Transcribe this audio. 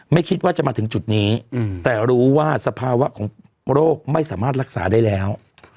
ไม่คิดว่าจะมาถึงจุดนี้แต่รู้ว่าสภาวะของโรคไม่สามารถรักษาได้แล้ว